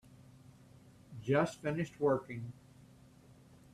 Just finished working.